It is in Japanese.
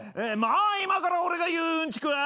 まあ今から俺が言ううんちくは。